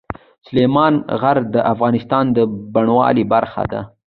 سلیمان غر د افغانستان د بڼوالۍ برخه ده.